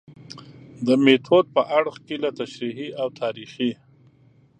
د میتود په اړخ کې له تشریحي او تاریخي